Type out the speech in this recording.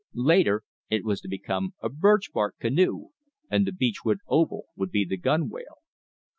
Later it was to become a birch bark canoe, and the beech wood oval would be the gunwale.